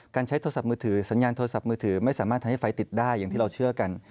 ใช้โทรศัพท์มือถือสัญญาณโทรศัพท์มือถือไม่สามารถทำให้ไฟติดได้อย่างที่เราเชื่อกัน